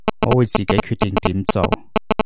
我會自己決定點做